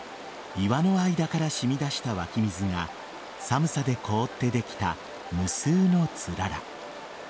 岩の間から染み出した湧き水が寒さで凍ってできた無数のつらら。